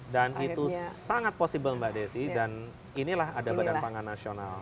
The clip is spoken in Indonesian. dan itu sangat possible mbak desi dan inilah ada badan pangan nasional